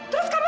terus kamu mau